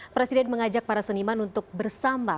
presiden mengajak para seniman untuk bersama